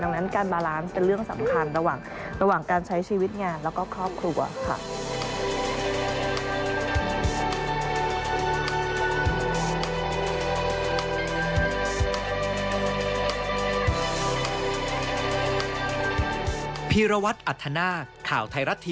ดังนั้นการบาลานซ์เป็นเรื่องสำคัญระหว่างการใช้ชีวิตงานแล้วก็ครอบครัวค่ะ